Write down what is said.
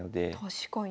確かに。